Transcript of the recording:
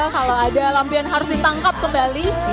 kalau ada lampion harus ditangkap kembali